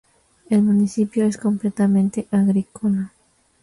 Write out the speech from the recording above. El municipio es completamente agrícola.